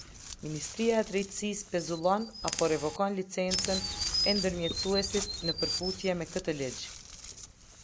Ministria e Drejtësisë pezullon apo revokon licencën e ndërmjetësuesit, në përputhje me këtë ligj.